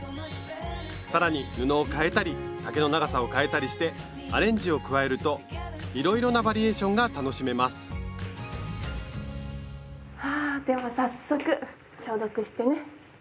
更に布を変えたり丈の長さを変えたりしてアレンジを加えるといろいろなバリエーションが楽しめますはでは早速消毒してね。